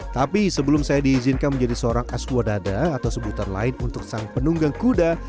tapi sebelum saya diizinkan menjadi seorang aswadada atau sebutan lain untuk sang penunggang kuda